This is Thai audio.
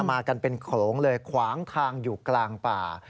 มากันเป็นโขลงเลยขวางทางอยู่กลางป่า